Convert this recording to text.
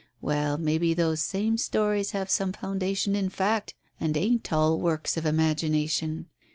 Well, maybe those same stories have some foundation in fact, and ain't all works of imagination.